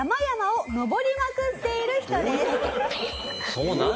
そうなる？